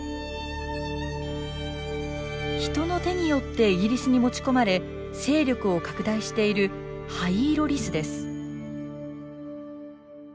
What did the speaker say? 人の手によってイギリスに持ち込まれ勢力を拡大しているハイイロリスです。